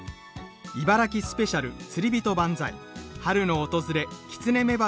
茨城スペシャル釣りびと万歳「春の訪れキツネメバルを誘い出せ！